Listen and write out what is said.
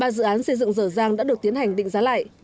ba dự án xây dựng dở dàng đã được tiến hành định giá lại